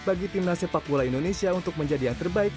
bagi timnas sepak bola indonesia untuk menjadi yang terbaik